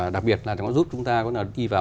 đặc biệt là nó giúp chúng ta có đi vào